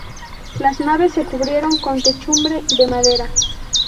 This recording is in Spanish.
Las naves se cubrieron con techumbre de madera.